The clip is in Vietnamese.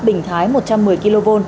bình thái một trăm một mươi kv